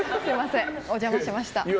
お邪魔しました。